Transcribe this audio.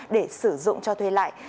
để sử dụng cho thuê lại